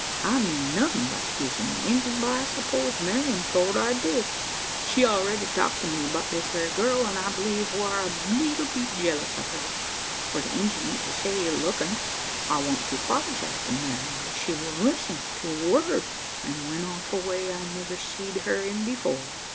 I meant nothin' by kissin' the Injun; but I s'pose Marian thort I did: she'd already talked to me 'bout this very girl; an' I believe war a leetle bit jealous o' her for the Injun ain't to say ill lookin'. I wanted to 'pologise to Marian; but she wouldn't listen to a word; an' went off in a way I niver seed her in before.